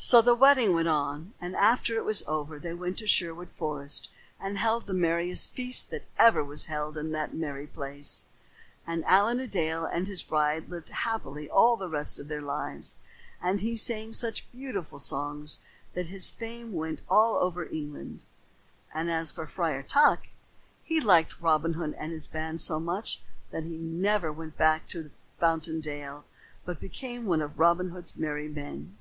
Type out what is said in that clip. So the wedding went on; and after it was over they went to Sherwood Forest and held the merriest feast that ever was held in that merry place. And Allen a Dale and his bride lived happy all the rest of their lives, and he sang such beautiful songs that his fame went all over England. As for Friar Tuck, he liked Robin Hood and his band so much that he never went back to Fountain Dale but became one of Robin Hood's merry men.